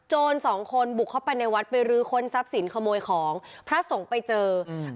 สองคนบุกเข้าไปในวัดไปรื้อค้นทรัพย์สินขโมยของพระสงฆ์ไปเจออืม